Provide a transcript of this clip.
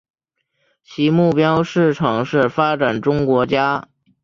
其目标市场是发展中国家。